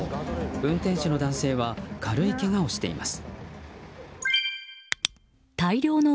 運転手の男性は軽いけがをしています。